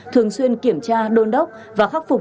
thường xuyên kiểm tra đôn đốc và khắc phục